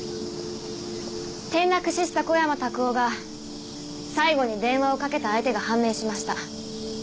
転落死した小山卓夫が最後に電話をかけた相手が判明しました。